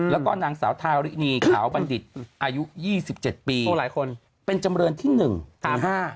แล้วก็นางสาวทารินีขาวบัณฑิตอายุ๒๗ปีเป็นจำเรินที่๑หรือ๕